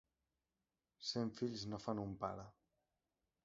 Cent fills no fan un pare.